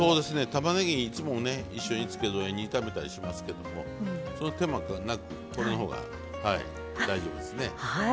たまねぎいつもね一緒に付け添えに炒めたりしますけどその手間なくこれのほうが大丈夫ですね。